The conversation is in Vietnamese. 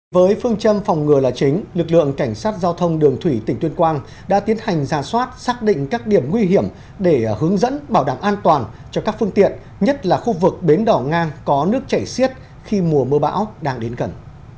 với phương châm phòng ngừa là chính lực lượng cảnh sát giao thông đường thủy tỉnh tuyên quang đã tiến hành ra soát xác định các điểm nguy hiểm để hướng dẫn bảo đảm an toàn cho các phương tiện nhất là khu vực bến đỏ ngang có nước chảy xiết khi mùa mưa bão đang đến gần